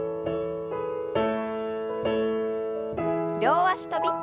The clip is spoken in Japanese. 両脚跳び。